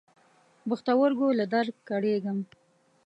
پښتورګو له درد کړېږم.